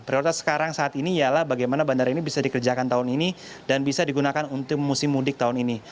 prioritas sekarang saat ini ialah bagaimana bandara ini bisa dikerjakan tahun ini dan bisa digunakan untuk musim mudik tahun ini